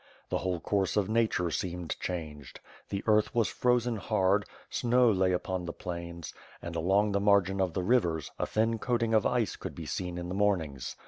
The whole course of Nature seemed changed. The earth was frozen hard, snow lay upon the plains; and, 578 WITH FIRE AND SWORD. 579 along the margin of the riyers, a thin coating of ice could be seen in the mornings.